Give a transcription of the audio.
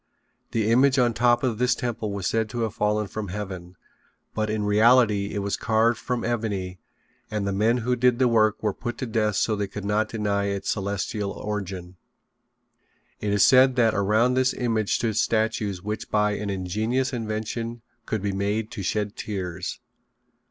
The image on the top of this temple was said to have fallen from heaven, but in reality it was carved from ebony and the men who did the work were put to death so they could not deny its celestial origin. It is said that around this image stood statues which by an ingenious invention could be made to shed tears.